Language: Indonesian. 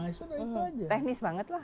sudah itu teknis banget lah